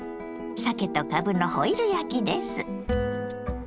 さけとかぶのホイル焼きです。